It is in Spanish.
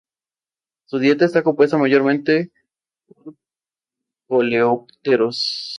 El relieve predominante es el valle o depresión.